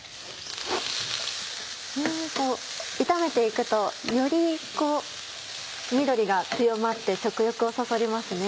炒めて行くとより緑が強まって食欲をそそりますね。